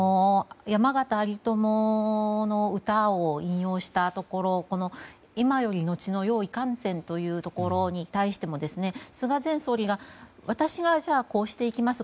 山県有朋の歌を引用したところ「今より後の世をいかにせむ」に対しても菅前総理が私がこうしていきます